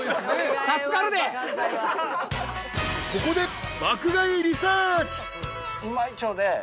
［ここで］